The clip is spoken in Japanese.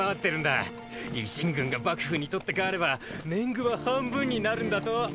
維新軍が幕府に取って代われば年貢は半分になるんだと。